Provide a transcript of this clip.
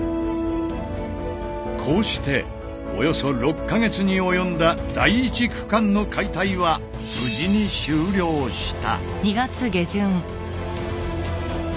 こうしておよそ６か月に及んだ第１区間の解体は無事に終了した。